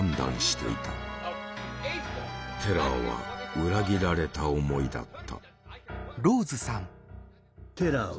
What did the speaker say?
テラーは裏切られた思いだった。